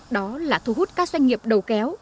đó là thu hút các doanh nghiệp đầu kéo